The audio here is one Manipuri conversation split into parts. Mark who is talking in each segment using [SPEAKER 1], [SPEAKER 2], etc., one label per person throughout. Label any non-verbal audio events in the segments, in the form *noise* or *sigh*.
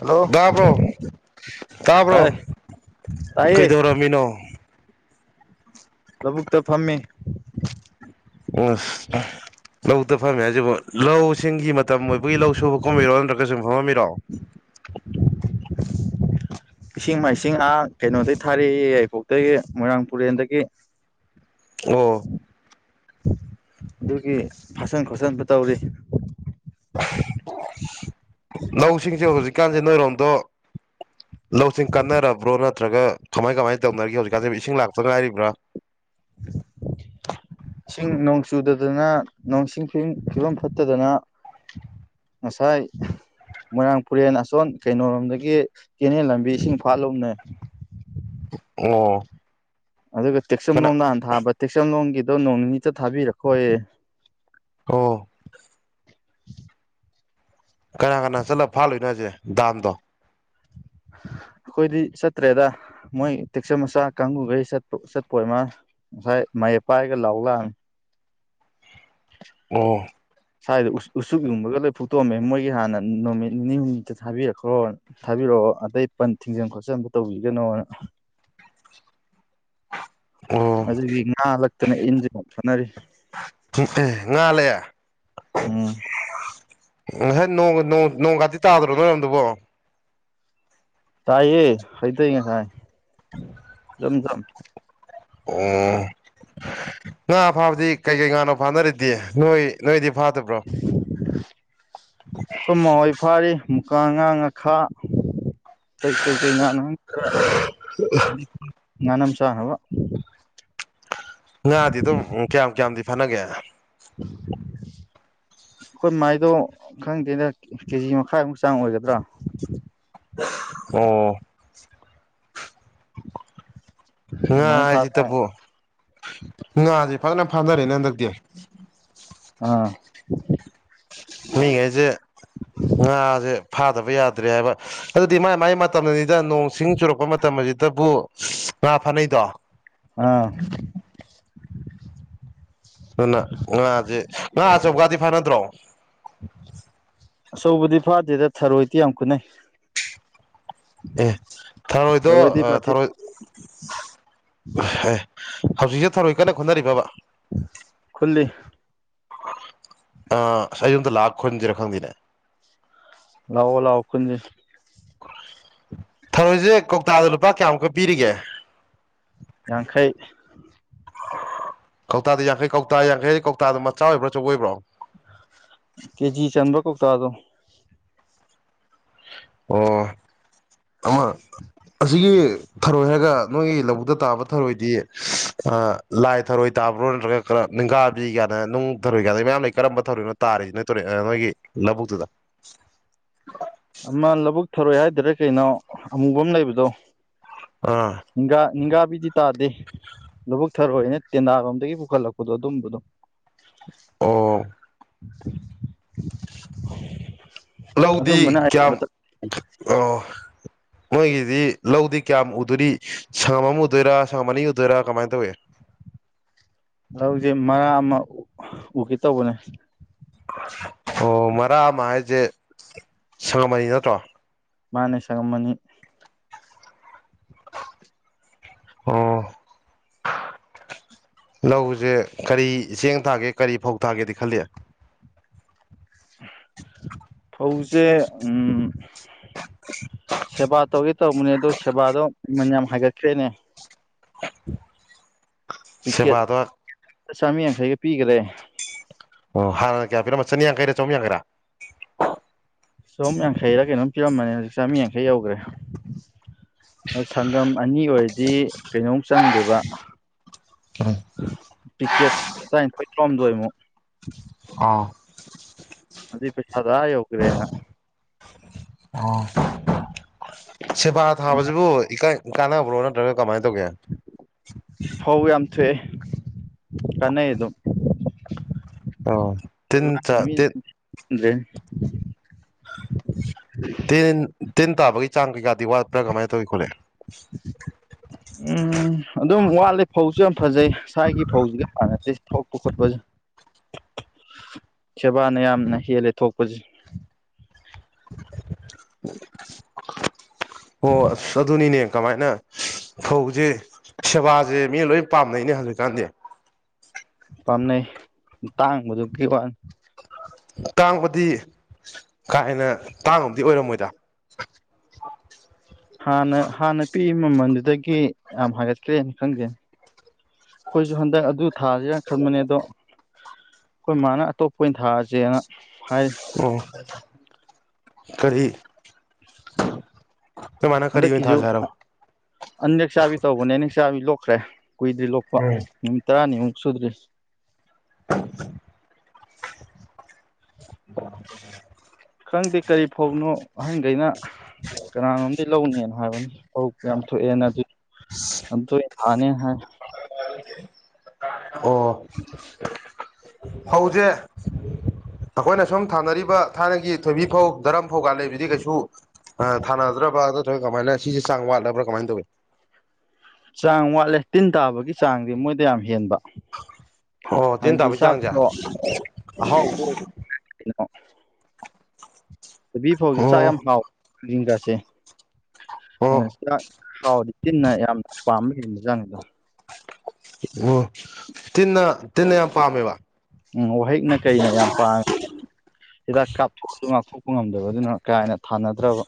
[SPEAKER 1] ꯍꯜꯂꯣ
[SPEAKER 2] ꯇꯥꯕ꯭ꯔꯣ ꯇꯥꯕ꯭ꯔꯣ
[SPEAKER 1] ꯇꯥꯏ ꯇꯥꯏꯌꯦ
[SPEAKER 2] ꯀꯩꯗꯧꯔꯝꯃꯤꯅꯣ
[SPEAKER 1] ꯂꯕꯨꯛꯇ ꯐꯝꯃꯤ
[SPEAKER 2] ꯂꯕꯨꯛꯇ ꯐꯝꯃꯤ ꯍꯥꯏꯁꯤꯕꯨ ꯂꯧꯁꯤꯡꯒꯤ ꯃꯇꯝ ꯑꯣꯏꯕꯒꯤ ꯂꯧ ꯁꯨꯕ ꯀꯨꯝꯃꯤꯔꯣ ꯅꯠꯇ꯭ꯔꯒ ꯁꯨꯝ ꯐꯃꯃꯤꯔꯣ
[SPEAKER 1] ꯏꯁꯤꯡ ꯃꯥꯏꯁꯤꯡ ꯑꯥ ꯀꯩꯅꯣꯗꯩ ꯊꯥꯔꯑꯦꯌꯦ ꯌꯥꯏꯔꯤꯄꯣꯛꯇꯩ ꯃꯣꯏꯔꯥꯡꯄꯨꯔꯦꯟꯗꯒꯤ
[SPEAKER 2] ꯑꯣ
[SPEAKER 1] ꯑꯗꯨꯒꯤ ꯐꯥꯁꯟ ꯈꯣꯆꯟꯕ ꯇꯧꯔꯤ
[SPEAKER 2] ꯂꯧꯁꯤꯡꯁꯦ ꯍꯧꯖꯤꯛꯀꯥꯟꯖꯦ ꯅꯣꯏꯔꯣꯝꯗꯣ ꯂꯧꯁꯤꯡ ꯀꯟꯅꯔꯕ꯭ꯔꯣ ꯅꯠ ꯇ꯭ꯔꯒ ꯀꯃꯥꯏ-ꯀꯃꯥꯏ ꯇꯧꯅꯔꯤꯒꯦ ꯍꯧꯖꯤꯛꯀꯥꯟꯖꯤꯕꯨ ꯏꯁꯤꯡ ꯂꯥꯛꯄ ꯉꯥꯏꯔꯤꯕ꯭ꯔꯥ
[SPEAKER 1] ꯏꯁꯤꯡ ꯅꯣꯡ ꯆꯨꯗꯗꯅ ꯅꯣꯡꯁꯤꯡ ꯐꯤꯕꯝ ꯐꯤꯕꯝ ꯐꯠꯇꯗꯅ ꯉꯁꯥꯏ ꯃꯣꯏꯔꯥꯡꯄꯨꯔꯦꯟ ꯑꯁꯣꯟ ꯀꯩꯅꯣꯔꯣꯝꯗꯒꯤ ꯀꯦꯅꯦꯟ ꯂꯝꯕꯤ ꯏꯁꯤꯡ ꯐꯥꯠꯂꯨꯝꯅꯦ
[SPEAKER 2] ꯑꯣ
[SPEAKER 1] ꯑꯗꯨꯒ
[SPEAKER 2] ꯀꯅꯥ
[SPEAKER 1] ꯇꯦꯛꯆꯝꯂꯣꯝꯗ ꯍꯥꯟ ꯊꯥꯕ ꯇꯦꯛꯁꯝꯂꯣꯝꯒꯤꯗꯣ ꯅꯣꯡ ꯅꯤꯅꯤꯇ ꯊꯥꯕꯤꯔꯛꯈꯣꯌꯦ
[SPEAKER 2] ꯑꯣ ꯀꯅꯥ ꯀꯅꯥ ꯆꯠꯂ ꯐꯥꯠꯂꯨꯏꯅꯣ ꯍꯥꯏꯖꯦ ꯗꯥꯝꯗꯣ
[SPEAKER 1] *unintelligible* ꯑꯈꯣꯏꯗꯤ ꯆꯠꯇ꯭ꯔꯦꯗꯥ ꯃꯣꯏ ꯇꯦꯛꯆꯝ ꯃꯆꯥ ꯀꯥꯡꯒꯨꯒꯩ ꯆꯠꯄ ꯆꯠꯄ ꯑꯣꯏꯃꯅꯦ ꯉꯁꯥꯏ ꯃꯌꯦꯞ ꯄꯥꯏꯔꯒ ꯂꯥꯎ ꯂꯥꯛꯑꯝ
[SPEAKER 2] ꯑꯣ
[SPEAKER 1] ꯁꯥꯏꯗ ꯎ ꯎꯆꯨꯛ ꯌꯨꯡꯕꯒ ꯂꯣꯏ ꯐꯨꯛꯇꯣꯛꯑꯝꯃꯦ ꯃꯣꯏꯒꯤ ꯍꯥꯟꯅ ꯅꯨꯃꯤꯠ ꯅꯤꯅꯤ ꯍꯨꯝꯅꯤꯇ ꯊꯥꯕꯤꯔꯛꯈꯣꯅ ꯊꯕꯤꯔꯛ ꯑꯣ ꯑꯗꯩ ꯄꯟ ꯊꯤꯡꯖꯟ ꯈꯣꯠꯆꯟꯕ ꯇꯧꯕꯤꯒꯅꯣꯅ
[SPEAKER 2] ꯑꯣ
[SPEAKER 1] ꯑꯗꯨꯒꯤ ꯉꯥ ꯂꯛꯇꯅ ꯏꯟꯖꯤꯅ ꯁꯣꯟꯅꯔꯤ
[SPEAKER 2] *inaudible* ꯉꯥꯂꯑꯦ
[SPEAKER 1] ꯎꯝ
[SPEAKER 2] ꯉꯁꯥꯏ ꯅꯣꯡ ꯅꯣꯡ ꯅꯣꯡꯒꯥꯇꯤ ꯇꯥꯗ꯭ꯔꯣ ꯅꯣꯏꯔꯣꯝꯗꯨꯕꯣ
[SPEAKER 1] ꯇꯥꯏꯌꯦ ꯍꯩꯗꯩ ꯉꯁꯥꯏ ꯊ ꯊꯝ
[SPEAKER 2] ꯑꯣ ꯉꯥ ꯐꯥꯕꯗꯤ ꯀꯩꯀꯩ ꯉꯥꯅꯣ ꯐꯥꯅꯔꯤꯗꯤ ꯅꯣꯏ ꯅꯣꯏꯗꯤ ꯐꯥꯗꯕ꯭ꯔꯣ
[SPEAKER 1] ꯑꯩꯈꯣꯏ ꯃꯥ ꯍꯣꯏ ꯐꯥꯔꯤ ꯃꯨꯀꯥꯉꯥ ꯉꯥꯈꯥ ꯀꯩ ꯀꯩꯀꯩ ꯉꯥꯅꯣ ꯈꯔ ꯉꯥꯅꯝ ꯆꯥꯅꯕ
[SPEAKER 2] ꯉꯥꯗꯤ ꯑꯗꯨꯝ ꯀꯌꯥꯝ ꯀꯌꯥꯝꯗꯤ ꯐꯥꯅꯒꯦ
[SPEAKER 1] *unintelligible* ꯑꯩꯈꯣꯏ ꯃꯥꯏꯗꯣ ꯈꯪꯗꯦꯗ ꯀꯦꯖꯤ ꯃꯈꯥꯏꯃꯨꯛ ꯆꯥꯡ ꯑꯣꯏꯒꯗ꯭ꯔꯥ
[SPEAKER 2] ꯑꯣ ꯉꯥ
[SPEAKER 1] ꯑꯗꯨꯃꯥꯏꯅ ꯐꯥ
[SPEAKER 2] ꯍꯥꯏꯖꯤꯇꯕꯨ ꯉꯥꯁꯦ ꯐꯖꯅ ꯐꯥꯅꯔꯦꯅꯦ ꯍꯟꯗꯛꯇꯤ
[SPEAKER 1] ꯑꯥ
[SPEAKER 2] ꯃꯤꯒꯩꯁꯦ ꯉꯥꯁꯦ ꯐꯥꯗꯕ ꯌꯥꯗ꯭ꯔꯦ ꯍꯥꯏꯕ ꯑꯗꯨꯗꯤ ꯃꯥꯏ ꯃꯥꯏ ꯃꯇꯝꯅꯅꯤꯗ ꯅꯣꯡ ꯁꯤꯡ ꯆꯨꯔꯛꯄ ꯃꯇꯝ ꯍꯧꯖꯤꯛꯇꯕꯨ ꯉꯥ ꯐꯥꯅꯩꯗꯣ
[SPEAKER 1] ꯑꯥ
[SPEAKER 2] ꯑꯗꯨꯅ ꯉꯥꯁꯦ ꯉꯥ ꯑꯆꯧꯕꯒꯗꯤ ꯐꯥꯅꯗ꯭ꯔꯣ
[SPEAKER 1] ꯑꯆꯧꯕꯗꯤ ꯐꯥꯗꯦꯗ ꯊꯔꯣꯏꯗꯤ ꯌꯥꯝ ꯈꯨꯟꯅꯩ
[SPEAKER 2] ꯑꯦ ꯊꯔꯣꯏꯗꯣ
[SPEAKER 1] ꯊꯔꯣꯏꯗꯤ ꯕꯥꯇꯤꯟ
[SPEAKER 2] ꯊꯔꯣꯏ ꯑꯦ ꯍꯧꯖꯤꯛꯁꯦ ꯊꯔꯣꯏ ꯀꯟꯅ ꯈꯨꯟꯅꯔꯤꯔꯕ
[SPEAKER 1] ꯈꯨꯜꯂꯤ
[SPEAKER 2] ꯑ ꯑꯩꯁꯨ ꯑꯃꯇ ꯂꯥꯛꯑꯒ ꯈꯨꯟꯁꯤꯔ ꯈꯪꯗꯦꯅꯦ
[SPEAKER 1] ꯂꯥꯛꯑꯣ ꯂꯥꯛꯑꯣ ꯈꯨꯟꯖꯦ
[SPEAKER 2] ꯊꯔꯣꯏꯁꯦ ꯀꯧꯇꯥꯗ ꯂꯨꯄꯥ ꯀꯌꯥꯃꯨꯛꯀ ꯄꯤꯔꯤꯒꯦ
[SPEAKER 1] ꯌꯥꯡꯈꯩ
[SPEAKER 2] ꯀꯧꯇꯥꯗ ꯌꯥꯡꯈꯩ ꯀꯧꯇꯥ ꯌꯥꯡꯈꯩ ꯀꯧꯇꯥꯗ ꯃꯆꯥ ꯑꯣꯏꯕ꯭ꯔ ꯑꯆꯧꯕ ꯑꯣꯏꯕ꯭ꯔꯣ
[SPEAKER 1] ꯀꯦꯖꯤ ꯆꯟꯕ ꯀꯧꯇꯥꯗꯣ
[SPEAKER 2] ꯑꯣ ꯑꯃ ꯑꯁꯤꯒꯤ ꯊꯔꯣꯏ ꯍꯥꯏꯔꯒ ꯅꯣꯏꯒꯤ ꯂꯧꯕꯨꯛꯇ ꯇꯥꯕ ꯊꯔꯣꯏꯗꯤ ꯂꯥꯏ ꯊꯔꯣꯏ ꯇꯥꯕ꯭ꯔꯣ ꯅꯠꯇ꯭ꯔꯒ ꯈꯔ ꯅꯤꯡꯒꯥꯥꯕꯤ ꯒꯥꯢꯅ ꯅꯨꯡ ꯊꯔꯣꯏꯒꯥꯏꯅ ꯃꯌꯥꯝ ꯂꯩ ꯀꯔꯝꯕ ꯊꯧꯔꯤꯅꯣ ꯇꯥꯔꯤꯁꯤꯅ ꯅꯣꯏ ꯇꯨꯔꯦꯜ ꯅꯣꯏꯒꯤ ꯂꯕꯨꯛꯇꯨꯗꯨꯗ
[SPEAKER 1] *unintelligible* ꯑꯃ ꯂꯧꯕꯨꯛ ꯊꯔꯣꯏ ꯍꯥꯏꯗꯣꯏꯔ ꯀꯩꯅꯣ ꯑꯃꯨꯕ ꯑꯃ ꯂꯩꯕꯗꯣ
[SPEAKER 2] ꯑꯥ
[SPEAKER 1] ꯅꯤꯡꯒꯥ ꯅꯤꯡꯒꯥ ꯕꯤꯗꯤ ꯇꯥꯗꯦ ꯂꯧꯕꯨꯛ ꯊꯔꯣꯏꯅ ꯇꯦꯟꯅꯥꯔꯣꯝꯗꯒꯤ ꯄꯨꯈꯠꯂꯛꯄꯗꯣ ꯑꯗꯨꯝꯕꯗꯣ
[SPEAKER 2] ꯑꯣ
[SPEAKER 1] ꯐ *unintelligible*
[SPEAKER 2] ꯂꯧꯗꯤ ꯀꯌꯥꯝ ꯑꯣ
[SPEAKER 1] *inaudible*
[SPEAKER 2] ꯅꯣꯏꯒꯤꯗꯤ ꯂꯧꯗꯤ ꯀꯌꯥꯝ ꯎꯗꯣꯔꯤ ꯁꯪꯒꯝ ꯑꯃ ꯎꯗꯣꯏꯔ ꯁꯪꯒꯝ ꯑꯅꯤ ꯎꯗꯣꯏꯔ ꯀꯃꯥꯏꯅ ꯇꯧꯏ
[SPEAKER 1] ꯂꯧꯁꯦ ꯃꯔꯥꯛ ꯑꯃ ꯎꯒꯦ ꯇꯧꯕꯅꯦ
[SPEAKER 2] ꯑꯣ ꯃꯔꯥꯛ ꯑꯃ ꯍꯥꯏꯁꯦ ꯁꯪꯒꯝ ꯑꯅꯤ ꯅꯠꯇ꯭ꯔꯣ
[SPEAKER 1] ꯃꯥꯅꯦ ꯁꯡꯒꯝ ꯑꯅꯤ
[SPEAKER 2] ꯑꯣ
[SPEAKER 1] *unintelligible*
[SPEAKER 2] ꯂꯧꯁꯦ ꯀꯔꯤ ꯆꯦꯡ ꯊꯥꯒꯦ ꯀꯔꯤ ꯐꯧ ꯊꯥꯒꯦꯗꯤ ꯈꯜꯂꯤ
[SPEAKER 1] ꯐꯧꯁꯦ ꯎꯝ ꯁꯦꯕꯥ ꯇꯧꯒꯦ ꯇꯧꯕꯅꯦ ꯑꯗꯨ ꯁꯦꯕꯥꯗꯣ ꯃꯃꯟ ꯌꯥꯝ ꯍꯥꯏꯒꯠꯈ꯭ꯔꯦꯅꯦ
[SPEAKER 2] ꯁꯕꯥꯗꯣ
[SPEAKER 1] ꯆꯃꯤ ꯌꯥꯡꯈꯩꯒ ꯄꯤꯈ꯭ꯔꯦ
[SPEAKER 2] ꯑꯣ ꯍꯥꯟꯅ ꯀꯌꯥ ꯄꯤꯔꯝꯝꯕ ꯆꯅꯤꯌꯥꯡꯈꯩꯔꯥ ꯆꯍꯨꯝ ꯌꯥꯡꯈꯩꯔꯥ
[SPEAKER 1] ꯆꯣꯨꯝ ꯌꯥꯡꯈꯩꯔ ꯀꯩꯅꯣꯝ ꯄꯤꯔꯝꯃꯅꯤ ꯍꯧꯖꯤꯛ ꯆꯥꯝꯃ ꯌꯥꯡꯈꯩ ꯌꯧꯈ꯭ꯔꯦ ꯁꯪꯒꯝ ꯑꯅꯤ ꯑꯣꯏꯔꯗꯤ ꯀꯩꯅꯣꯝ ꯆꯪꯗꯦꯕ ꯄꯤꯛꯀꯦꯠ ꯇꯔꯥꯅꯤꯊꯣꯏ ꯇꯔꯣꯍꯝꯗꯣꯏꯃꯨꯛ ꯑꯗꯨꯏ ꯄꯩꯁꯥ ꯌꯧꯈ꯭ꯔꯦꯅ
[SPEAKER 2] ꯁꯦꯕꯥ ꯊꯥꯕꯁꯤꯕꯨ ꯀꯥꯟꯅꯕ꯭ꯔꯣ ꯅꯠꯇ꯭ꯔꯒ ꯀꯃꯥꯏꯅ ꯇꯧꯒꯦ
[SPEAKER 1] ꯐꯧ ꯌꯥꯝ ꯊꯣꯛꯑꯦ ꯀꯥꯟꯅꯩ ꯑꯗꯨꯝ
[SPEAKER 2] ꯑꯣ ꯇꯤꯟ
[SPEAKER 1] ꯂꯥꯛ
[SPEAKER 2] ꯆꯥ
[SPEAKER 1] ꯃꯤ
[SPEAKER 2] ꯇꯤꯟ ꯇꯦꯟ ꯇꯦꯟ ꯇꯥꯕꯒꯤ ꯆꯥꯡ ꯀꯩꯀꯥꯗꯤ ꯋꯥꯠꯄ꯭ꯔꯥ ꯀꯃꯥꯏꯅ ꯇꯧꯋ ꯈꯣꯠꯂꯦ
[SPEAKER 1] *unintelligible* ꯎꯝ ꯑꯗꯨꯝ ꯋꯥꯠꯂꯤ ꯐꯧꯁꯨ ꯌꯥꯝ ꯐꯖꯩ ꯁ꯭ꯋꯥꯏꯒꯤ ꯐꯧꯁꯤꯒ ꯌꯥꯝ ꯃꯥꯟꯅꯗꯦ ꯑꯣ ꯈꯔꯄꯖ ꯁꯦꯕꯥꯅ ꯌꯥꯝꯅ ꯍꯦꯜꯂꯦ ꯊꯣꯛꯄꯁꯦ
[SPEAKER 2] ꯑꯣ ꯑꯁ ꯑꯗꯨꯅꯤꯅꯦ ꯀꯃꯥꯏꯅ ꯐꯧꯁꯦ ꯁꯦꯕꯥꯁꯦ ꯃꯤ ꯂꯣꯏ ꯄꯥꯝꯅꯩꯅꯦ ꯍꯧꯖꯤꯛꯀꯥꯟꯗꯤ
[SPEAKER 1] ꯄꯥꯝꯅꯩ ꯇꯥꯡꯕꯗꯨ ꯀꯩ ꯋꯥꯅꯤ
[SPEAKER 2] ꯇꯥꯡꯕꯗꯤ ꯀꯥ ꯍꯦꯟꯅ ꯇꯥꯡꯕꯗꯤ ꯑꯣꯏꯔꯝꯃꯣꯏꯗ ꯑ
[SPEAKER 1] ꯍꯥꯟꯅ ꯍꯥꯟꯅ ꯄꯤꯛꯏ ꯃꯃꯜꯗꯨꯗꯒꯤ ꯌꯥꯝ ꯍꯥꯏꯒꯠꯈ꯭ꯔꯦꯅ ꯈꯪꯗꯦ ꯑꯩꯈꯣꯏꯁꯨ ꯍꯟꯗꯛ ꯑꯗꯨ ꯊꯥꯁꯤꯒ ꯈꯟꯕꯅꯦ ꯑꯗꯣ ꯑꯩꯈꯣꯏ ꯃꯥꯅ ꯑꯇꯣꯞꯄ ꯑꯣꯏꯅ ꯊꯥꯑꯁꯦꯅ
[SPEAKER 2] ꯑꯣ ꯀꯔꯤ
[SPEAKER 1] *unintelligible*
[SPEAKER 2] ꯇ ꯃꯅ ꯀꯔꯤ ꯊꯥꯖꯔꯣ
[SPEAKER 1] ꯑꯟꯗꯦꯛ ꯆꯆꯥꯕꯤ ꯇꯧꯕꯅꯦ ꯅꯦꯛ ꯆꯆꯥꯕꯤ ꯂꯣꯛꯈ꯭ꯔꯦ ꯀꯨꯏꯗ꯭ꯔꯤ ꯂꯣꯛꯄ ꯅꯨꯃꯤꯠ ꯇꯔꯥꯅꯤꯃꯨꯛ ꯁꯨꯗ꯭ꯔꯦꯁ
[SPEAKER 2] *unintelligible* ꯎ
[SPEAKER 1] ꯈꯪꯗꯦ ꯀꯔꯤ ꯐꯥꯎꯅꯣ ꯑꯍꯟꯈꯩꯅ ꯀꯅꯥꯅꯣꯝꯗꯤ ꯂꯧꯅꯤꯅ ꯍꯥꯏꯕꯅꯤ ꯐꯧ ꯌꯥꯝ ꯊꯣꯛꯑꯦꯅ ꯑꯗꯨ ꯑꯗ ꯌꯥꯅꯦ ꯍꯥꯏ
[SPEAKER 2] ꯑꯣ ꯍꯧꯎꯁꯦ ꯑꯩꯈꯣꯏꯅ ꯁꯨꯝ ꯊꯥꯅꯔꯤꯕ ꯊꯥꯏꯅꯒꯤ ꯊꯣꯏꯕꯤ ꯐꯧ ꯗꯔꯝ ꯐꯧꯀ ꯂꯩꯕꯗꯤ ꯀꯩꯁꯨ ꯑ ꯊꯥꯅꯗ꯭ꯔꯕ꯭ꯔꯥ ꯀꯃꯥꯏꯅ ꯁꯤꯁꯦ ꯆꯥꯡ ꯋꯥꯠꯂꯕ꯭ꯔꯥ ꯀꯃꯥꯏꯅ ꯇꯧꯏꯤ
[SPEAKER 1] ꯆꯥꯡ ꯋꯥꯠꯂꯦ ꯇꯤꯟ ꯇꯥꯕꯒꯤ ꯆꯥꯡꯗꯤ ꯃꯣꯏꯗ ꯌꯥꯝ ꯍꯦꯟꯕ
[SPEAKER 2] ꯑꯣ ꯇꯤꯟ
[SPEAKER 1] ꯍꯥꯏꯗꯤ
[SPEAKER 2] ꯇꯥꯕꯒꯤ ꯆꯥꯡꯁꯦ
[SPEAKER 1] ꯆꯥꯛꯇꯣ ꯑꯍꯥꯎꯕ ꯑꯣꯏ ꯀꯩꯅꯣ ꯂꯝꯕꯤ ꯐꯥꯎꯗꯤ ꯆꯥꯛ ꯌꯥꯝ
[SPEAKER 2] ꯑꯣ
[SPEAKER 1] ꯍꯥꯎ
[SPEAKER 2] ꯑꯣ
[SPEAKER 1] ꯂꯤꯡꯒꯥꯁꯦꯥꯛ ꯍꯥꯎꯗꯤ ꯇꯤꯟꯅ ꯌꯥꯝꯅ ꯄꯥꯝꯕ ꯍꯗ ꯆꯥꯅꯤꯗ
[SPEAKER 2] ꯑꯣ ꯇꯤꯟꯅ ꯇꯤꯟꯅ ꯌꯥꯝ ꯄꯥꯝꯃꯦꯕ
[SPEAKER 1] ꯎꯝ ꯋꯥꯍꯛꯅ ꯀꯩꯅ ꯌꯥꯝ ꯄꯥꯉ ꯍꯤꯗꯥꯛ ꯀꯥꯞꯊꯣꯛꯄꯁꯨ ꯉꯥꯛꯊꯣꯛꯄ ꯉꯝꯗꯕ ꯑꯗꯨꯅ ꯀꯥ ꯍꯟꯅ ꯊꯥꯅꯗ꯭ꯔꯕ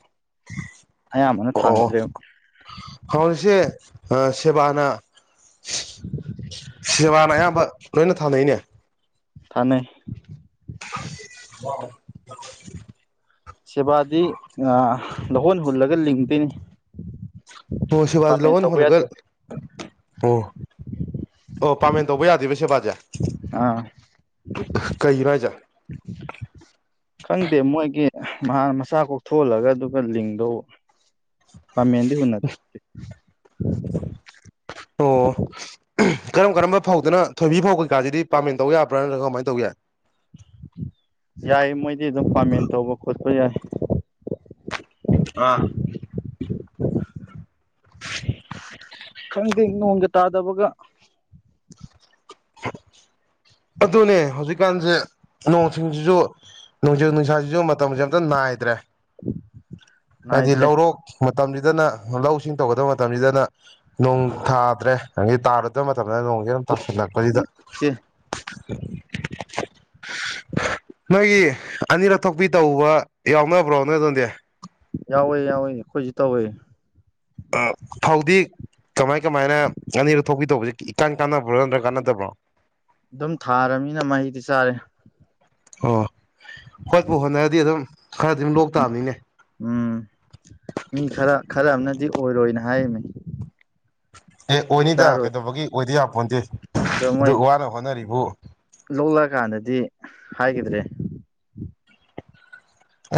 [SPEAKER 1] ꯑꯌꯥꯝꯕꯅ
[SPEAKER 2] ꯑꯣ
[SPEAKER 1] ꯊꯥꯅꯗ꯭ꯔꯦꯕ
[SPEAKER 2] ꯍꯁꯦ ꯁꯦꯕꯥꯅ ꯁꯦꯕꯥꯅ ꯑꯌꯥꯝꯕ ꯂꯣꯏꯅ ꯊꯥꯅꯩꯅꯦ
[SPEAKER 1] ꯊꯅ
[SPEAKER 2] *unintelligible*
[SPEAKER 1] ꯁꯦꯕꯥꯗꯤ ꯂꯧꯍꯣꯟ ꯍꯨꯜꯂꯒ ꯂꯤꯡꯗꯣꯏꯅꯤ
[SPEAKER 2] ꯇꯁꯤ ꯋꯥꯖ
[SPEAKER 1] ꯄꯥꯃꯦꯟ
[SPEAKER 2] ꯂꯧꯕꯅ
[SPEAKER 1] ꯇꯧꯕ
[SPEAKER 2] ꯍꯣꯜꯒꯜ
[SPEAKER 1] ꯌꯥꯗꯦ
[SPEAKER 2] ꯑꯣ ꯑꯣ ꯄꯥꯃꯦꯟ ꯇꯧꯕ ꯌꯥꯗꯦꯕ ꯁꯦꯕꯥꯁꯦ
[SPEAKER 1] ꯑꯥ
[SPEAKER 2] ꯀꯩ ꯍꯥꯏꯖ
[SPEAKER 1] ꯈꯪꯗꯦ ꯃꯣꯏꯒꯤ ꯃꯍꯥꯛ ꯃꯁꯆꯥ ꯀꯣꯛꯊꯣꯛꯍꯜꯂꯒ ꯑꯗꯨꯒ ꯂꯤꯡꯗꯧꯕ ꯄꯃꯤꯗꯤ ꯎꯟꯅ
[SPEAKER 2] ꯑꯣ ꯀꯔꯝ ꯀꯔꯝꯕ ꯐꯧꯗꯅ ꯊꯣꯏꯕꯤ ꯐꯧ ꯀꯩꯀꯥꯁꯤꯗꯤ ꯄꯥꯝꯃꯦꯟ ꯇꯧ ꯌꯥꯕ꯭ꯔꯥ ꯅꯠꯇ꯭ꯔꯒ ꯀꯃꯥꯏꯅ ꯇꯧ ꯌꯥꯏ
[SPEAKER 1] ꯌꯥꯏ ꯃꯣꯏꯗꯤ ꯑꯗꯨꯝ ꯄꯥꯃꯦꯟ ꯇꯧꯕ ꯈꯣꯠꯄ ꯌꯥꯏ
[SPEAKER 2] ꯑ
[SPEAKER 1] ꯈꯪꯗꯦ ꯅꯣꯡꯒ ꯇꯥꯗꯕꯒ *inaudible* *unintelligible*
[SPEAKER 2] ꯑꯗꯨꯅꯦ ꯍꯧꯖꯤꯛꯀꯥꯟꯁꯦ ꯅꯣꯡ ꯆꯁꯤꯡꯁꯤꯁꯨ ꯅꯣꯡꯖꯨ ꯅꯨꯡꯁꯥꯁꯤꯁꯨ ꯃꯇꯝꯁꯦ ꯑꯝꯇ ꯗ꯭ꯔꯦ ꯍꯥꯏꯗꯤ
[SPEAKER 1] ꯅꯥꯏꯗ꯭ꯔꯦ
[SPEAKER 2] ꯂꯧꯔꯣꯛ ꯃꯇꯝꯁꯤꯗꯅ ꯂꯧꯁꯤꯡ ꯇꯧꯒꯗꯕ ꯃꯇꯝꯁꯤꯗꯅ ꯅꯣꯡ ꯊꯥꯗ꯭ꯔꯦ ꯑꯗꯒꯤ ꯇꯥꯔꯨꯗꯕ ꯃꯇꯝꯗꯅ ꯌꯥꯝ ꯇꯥꯁꯤꯜꯂꯛꯄꯁꯤꯗ
[SPEAKER 1] ꯀꯣꯛꯁꯦ
[SPEAKER 2] ꯅꯣꯏꯒꯤ ꯑꯅꯤꯔꯛ ꯊꯣꯛꯄꯤ ꯇꯧꯕ ꯌꯥꯎꯅꯕ꯭ꯔꯣ ꯅꯣꯏ ꯑꯗꯨꯗꯤ
[SPEAKER 1] ꯌꯥꯎꯋꯦ ꯌꯥꯎꯋꯦ ꯑꯩꯈꯣꯏꯁꯨ ꯇꯧꯋꯦ
[SPEAKER 2] ꯐꯥꯎꯗꯤ ꯀꯃꯥꯏ ꯀꯃꯥꯏꯅ ꯑꯅꯤꯔꯣ ꯊꯣꯛꯄꯤ ꯇꯧꯕꯁꯦ ꯏꯀꯥꯟ ꯀꯥꯟꯅꯕ꯭ꯔꯣ ꯅꯠꯇ꯭ꯔꯒ ꯀꯥꯟꯅꯗꯕ꯭ꯔꯣ
[SPEAKER 1] ꯑꯗꯨꯝ ꯊꯥꯔꯅꯤꯅ ꯃꯍꯩꯗꯤ ꯆꯥꯔꯦ
[SPEAKER 2] ꯑꯣ ꯍꯣꯏꯣꯏꯄ ꯍꯣꯠꯅꯔꯗꯤ ꯑꯗꯨꯝ ꯈꯔꯗꯤ ꯑꯗꯨꯝ ꯂꯣꯛ ꯇꯥꯕꯅꯤꯅꯦ
[SPEAKER 1] ꯎꯝ ꯃꯤ ꯈꯔ ꯈꯔ ꯑꯃꯅꯗꯤ ꯑꯣꯏꯔꯣꯏꯅ ꯍꯥꯏꯅꯤ
[SPEAKER 2] ꯑꯦ ꯑꯣꯏꯅꯤꯗ ꯀꯩꯗꯧꯕꯒꯤ ꯑꯣꯏꯗ ꯌꯥꯕꯄꯣꯟꯗꯦ
[SPEAKER 1] ꯑꯗꯣ ꯃꯣꯏ
[SPEAKER 2] ꯑꯗꯨ ꯋꯥꯅ ꯍꯣꯠꯅꯔꯤꯕ
[SPEAKER 1] ꯂꯣꯛꯂꯛꯑꯀꯥꯟꯗꯗꯤ ꯍꯥꯏꯈꯤꯗ꯭ꯔꯦ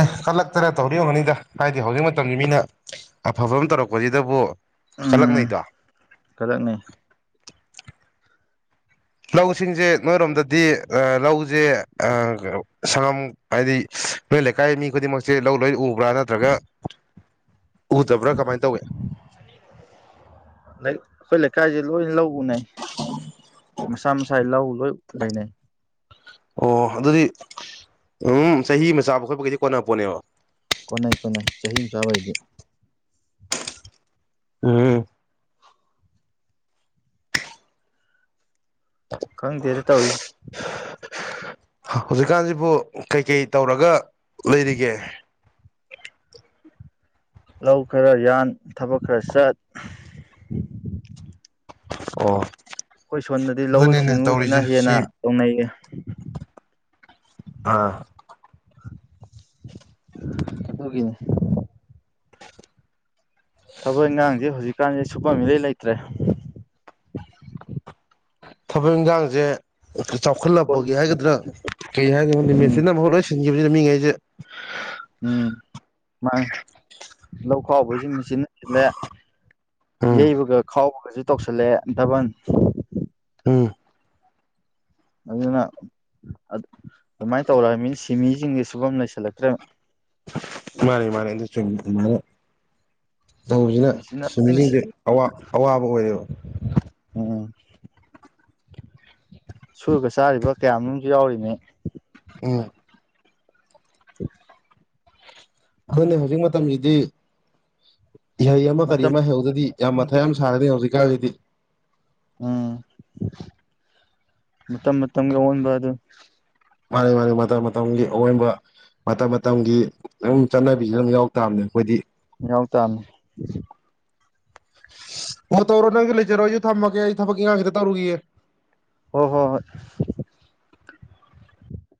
[SPEAKER 2] ꯑꯦ ꯀꯜꯂꯛꯇꯅ ꯇꯧꯔꯤ ꯌꯒꯅꯤꯗ ꯍꯥꯏꯗꯤ ꯍꯧꯖꯤꯛ ꯃꯇꯝꯁꯤ ꯃꯤꯅ ꯑꯐꯕ ꯑꯃ ꯇꯧꯔꯛꯄꯁꯤꯗꯕꯨ
[SPEAKER 1] ꯎꯝ
[SPEAKER 2] ꯀꯜꯂꯛꯅꯩꯗꯣ
[SPEAKER 1] ꯈꯗꯛꯅꯤ
[SPEAKER 2] ꯂꯧꯁꯤꯡꯁꯦ ꯅꯣꯏꯔꯣꯝꯗꯗꯤ ꯂꯧꯁꯦ ꯁꯪꯒꯝ ꯍꯥꯏꯗꯤ ꯑꯩꯈꯣꯏ ꯂꯩꯀꯥꯏ ꯃꯤ ꯈꯨꯗꯤꯡꯃꯛꯁꯦ ꯂꯧ ꯂꯣꯏ ꯎꯕ꯭ꯔꯥ ꯅꯠꯇ꯭ꯔꯒ
[SPEAKER 1] *unintelligible* *unintelligible* *inaudible*
[SPEAKER 2] ꯎꯗꯕ꯭ꯔꯥ ꯀꯃꯥꯏꯅ ꯇꯧꯏꯦ
[SPEAKER 1] ꯑꯩꯈꯣꯏ ꯂꯩꯀꯥꯏꯁꯦ ꯂꯣꯏ ꯂꯧ ꯎꯅꯩ ꯃꯁꯥ ꯃꯁꯥ ꯂꯧ ꯂꯣꯏ ꯂꯩꯅꯩ
[SPEAKER 2] ꯑꯣ ꯑꯗꯨꯗꯤ ꯎꯝ ꯆꯍꯤ ꯑꯃ ꯆꯥꯕ ꯈꯣꯠꯄꯒꯩꯗꯤ ꯀꯣꯟꯅꯄꯣꯠꯅꯦꯕ
[SPEAKER 1] ꯀꯣꯟꯅꯩ ꯀꯣꯟꯅꯩ ꯆꯍꯤ ꯑꯃ ꯆꯥꯕꯩꯗꯤ
[SPEAKER 2] ꯎꯝ
[SPEAKER 1] ꯀꯪ ꯊꯗ ꯇ ꯍꯧ
[SPEAKER 2] ꯍꯧꯖꯤꯛꯀꯥꯟꯁꯤꯕꯨ ꯀꯩꯀꯩ ꯇꯧꯔꯒ ꯂꯩꯔꯤꯒꯦ
[SPEAKER 1] ꯂꯧ ꯈꯔ ꯌꯥꯟ ꯊꯕꯛ ꯈꯔ ꯆꯠ
[SPEAKER 2] ꯑꯣ
[SPEAKER 1] ꯑꯩꯈꯣꯏ ꯁꯣꯝꯗꯗꯤ ꯂꯧꯎ
[SPEAKER 2] ꯑꯗꯨꯅꯤꯅꯦ
[SPEAKER 1] ꯁꯤꯡꯎꯁꯤꯅ
[SPEAKER 2] ꯇꯧꯔꯤꯁꯦ
[SPEAKER 1] ꯍꯦꯟꯅ
[SPEAKER 2] ꯁꯤ
[SPEAKER 1] ꯇꯧꯅꯩꯌꯦ
[SPEAKER 2] ꯑꯥ
[SPEAKER 1] ꯑꯗꯨꯒꯤꯅꯦ ꯊꯕꯛ ꯏꯟꯈꯥꯡꯁꯦ ꯍꯧꯖꯤꯛꯀꯥꯟꯁꯦ ꯁꯨꯐꯝ ꯃꯤꯗꯩ ꯂꯩꯇ꯭ꯔꯦ
[SPEAKER 2] ꯊꯕꯛ ꯏꯟꯁꯥꯡꯁꯦ ꯆꯥꯎꯈꯠꯂꯛꯄꯒꯤ ꯍꯥꯏꯒꯗ꯭ꯔꯥ ꯀꯩ ꯍꯥꯏꯒꯅꯣꯅꯤ
[SPEAKER 1] ꯎꯝ
[SPEAKER 2] ꯃꯦꯆꯤꯟ ꯑꯃꯐꯛ ꯂꯣꯏꯁꯤꯟ ꯕꯁꯤꯅ ꯃꯤꯉꯩꯁꯦ
[SPEAKER 1] ꯎꯝ ꯃꯥ ꯂꯧꯈꯥꯎꯕ ꯅꯤꯁ ꯁꯤꯟꯅ ꯁꯤꯜꯂꯦ
[SPEAKER 2] ꯎꯝ
[SPEAKER 1] ꯌꯩꯕꯒ ꯈꯥꯎꯕꯒꯁꯨ ꯇꯧꯁꯤꯜꯂꯑꯦ ꯍꯟꯊꯕ
[SPEAKER 2] ꯍꯝ
[SPEAKER 1] ꯑꯗꯨꯅ ꯑ ꯑꯗꯨꯃꯥꯏꯅ ꯇꯧꯔ ꯃꯤꯅ ꯁꯤꯃꯤꯁꯤꯡꯁꯦ ꯁꯨꯐꯝꯝ ꯂꯩꯁꯤꯜꯂꯛꯇ꯭ꯔꯦꯕ
[SPEAKER 2] ꯃꯥꯅꯦ ꯃꯥꯅꯦ ꯃꯥꯅꯦ ꯇꯧꯕꯁꯤꯅ
[SPEAKER 1] ꯃꯦꯆꯤꯟꯅ ꯂꯣꯏꯅ
[SPEAKER 2] ꯁꯨꯃꯤꯁꯤꯡꯁꯦ
[SPEAKER 1] ꯁꯤꯜꯂꯦ
[SPEAKER 2] ꯑꯋꯥꯕ ꯑꯣꯏꯔꯦꯕ
[SPEAKER 1] ꯎꯝ ꯁꯨꯔꯒ ꯆꯥꯔꯤꯕ ꯀꯌꯥ ꯃꯔꯣ ꯑꯃꯁꯝꯨ ꯌꯥꯎꯔꯤꯅꯦ
[SPEAKER 2] ꯎ
[SPEAKER 1] ꯎ
[SPEAKER 2] ꯑꯗꯨꯅꯦ ꯍꯧꯖꯤꯛ ꯃꯇꯝꯁꯤꯗꯤ ꯏꯍꯩ ꯑꯃ ꯀꯔꯤ
[SPEAKER 1] ꯃꯇꯝ
[SPEAKER 2] ꯑꯃ ꯍꯩꯍꯧꯗꯗꯤ ꯌꯥꯝ ꯃꯊꯛ ꯌꯥꯝ ꯁꯥꯒꯗꯅꯤ ꯍꯧꯖꯤꯛꯀꯥꯟꯒꯤꯗꯤ
[SPEAKER 1] ꯎꯝ ꯃꯝ ꯃꯝꯒ ꯑꯣꯟꯕ ꯑꯗꯨ
[SPEAKER 2] ꯃꯥꯅꯤ ꯃꯥꯅꯤ ꯃꯇꯝ ꯃꯇꯝꯒꯤ ꯑꯑꯣꯟꯕ ꯃꯇꯝ ꯃꯇꯝꯒꯤ ꯑꯗꯨꯝ ꯆꯠꯅꯕꯤꯁꯦ ꯑꯗꯨꯝ ꯌꯥꯎ ꯇꯥꯕꯅꯦ ꯑꯩꯈꯣꯏꯗꯤ
[SPEAKER 1] ꯌꯥꯎ ꯇꯅꯤ
[SPEAKER 2] ꯑꯣ ꯇꯧꯔꯣ ꯅꯪꯗꯤ ꯂꯩꯖꯔꯣ ꯑꯩꯁꯨ ꯊꯝꯃꯒꯦ ꯑꯩ ꯊꯕꯛꯀꯤ ꯉꯥꯡꯁꯤꯇ ꯇꯧꯔꯨꯈꯤꯦ
[SPEAKER 1] ꯍꯣꯏ ꯍꯣꯏ ꯍꯣꯏ